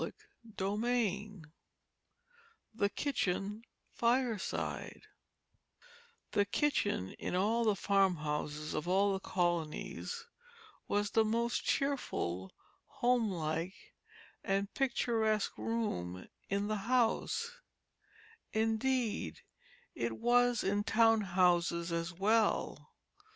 CHAPTER III THE KITCHEN FIRESIDE The kitchen in all the farmhouses of all the colonies was the most cheerful, homelike, and picturesque room in the house; indeed, it was in town houses as well.